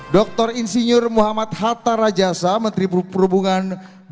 dr insinyur muhammad hatta rajasa menteri perhubungan dua ribu empat dua ribu tujuh